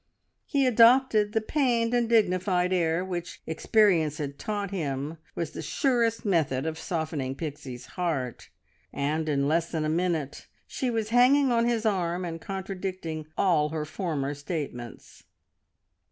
He adopted the pained and dignified air which experience had taught him was the surest method of softening Pixie's heart, and in less than a minute she was hanging on his arm and contradicting all her former statements.